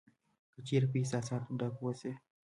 که چېرې په احساساتو ډک اوسې .